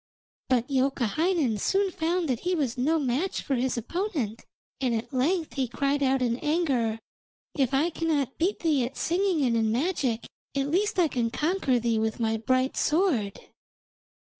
But Youkahainen soon found that he was no match for his opponent, and at length he cried out in anger: 'If I cannot beat thee at singing and in magic, at least I can conquer thee with my bright sword.'